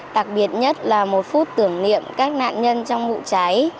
đặc biệt nhất là một phút tưởng niệm các nạn nhân trong vụ cháy